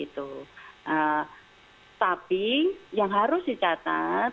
tapi yang harus dicatat